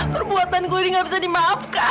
perbuatan ku ini nggak bisa dimaafkan